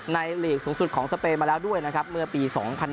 หลีกสูงสุดของสเปนมาแล้วด้วยนะครับเมื่อปี๒๐๑๖